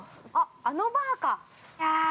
◆あのバーか。